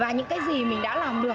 và những cái gì mình đã làm được